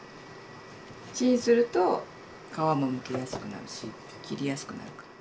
チンすると皮もむきやすくなるし切りやすくなるから。